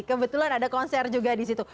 kebetulan ada konser juga di situ